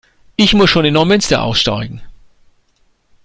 Ich muss schon in Neumünster aussteigen